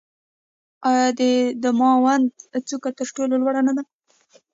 آیا د دماوند څوکه تر ټولو لوړه نه ده؟